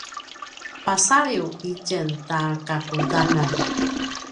pasaliw i tjen ta kakudanan